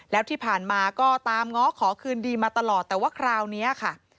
แล้วที่ผ่านมาก็ตามง้อขอคืนดีมาตลอดแต่ว่าคราวนี้ค่ะ